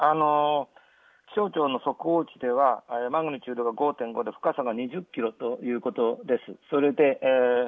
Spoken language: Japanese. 気象庁の速報値ではマグニチュード５．５で深さが２０キロということです。